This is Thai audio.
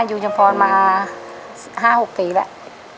อยู่ชุมพรมาห้าหกปีแล้ว